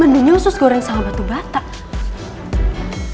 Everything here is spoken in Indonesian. mendenya usus goreng sama batu batai